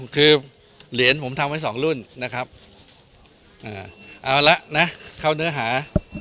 คือเหรียญผมทำไว้สองรุ่นนะครับเอาละนะเข้าเนื้อหา